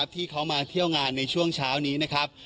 ที่เขามาเที่ยวงานในช่วงเช้านี้นะครับ